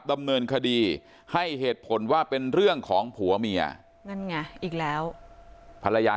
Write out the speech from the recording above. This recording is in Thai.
ดำเนินคดีให้เหตุผลว่าเป็นเรื่องของผัวเมียนั่นไงอีกแล้วภรรยา